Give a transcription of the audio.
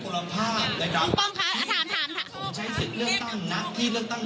อันนี้จะต้องจับเบอร์เพื่อที่จะแข่งกันแล้วคุณละครับ